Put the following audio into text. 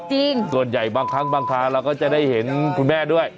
ส่วนใหญ่บางครั้งบางครั้งเราก็จะได้เห็นคุณแม่ด้วย